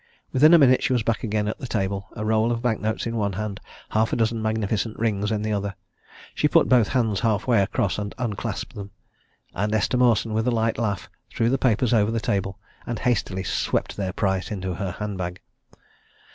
Within a minute she was back again at the table, a roll of bank notes in one hand, half a dozen magnificent rings in the other. She put both hands halfway across and unclasped them. And Esther Mawson, with a light laugh, threw the papers over the table, and hastily swept their price into her handbag.